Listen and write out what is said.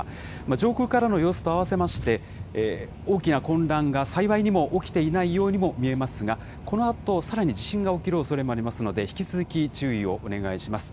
上空からの様子と合わせまして、大きな混乱が幸いにも起きていないようにも見えますが、このあと、さらに地震が起きるおそれもありますので、引き続き注意をお願いします。